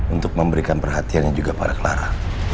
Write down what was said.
untuk memberikan perhatiannya juga pada clara